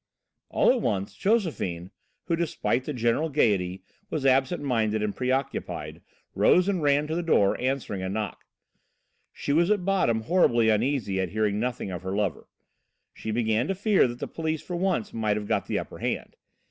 All at once, Josephine, who, despite the general gaiety, was absent minded and preoccupied, rose and ran to the door, answering a knock. She was at bottom horribly uneasy at hearing nothing of her lover. She began to fear that the police for once might have got the upper hand.